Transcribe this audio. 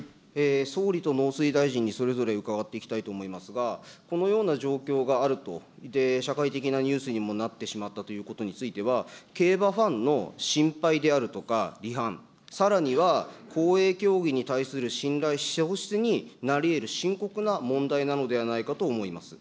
総理と農水大臣にそれぞれ伺っていきたいと思いますが、このような状況があると、社会的なニュースにもなってしまったということについては、競馬ファンの心配であるとか離反、さらには公営競技に対する信頼喪失になりえる深刻な問題なのではないかと思います。